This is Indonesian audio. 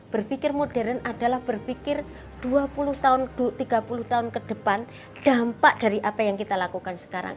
berpikir modern adalah berpikir dua puluh tahun tiga puluh tahun ke depan dampak dari apa yang kita lakukan sekarang